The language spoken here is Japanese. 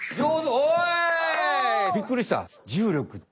おお。びっくりした！